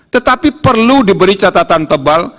tetapi perlu diberi catatan tebal